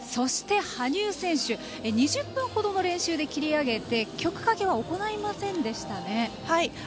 羽生選手は２０分ほどの練習で切り上げて曲かけは行いませんでしたね。